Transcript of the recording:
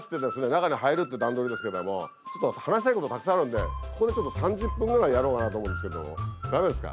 中に入るって段取りですけどもちょっと話したいことたくさんあるんでここでちょっと３０分ぐらいやろうかなと思うんですけど駄目ですか？